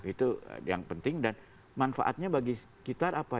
itu yang penting dan manfaatnya bagi sekitar apa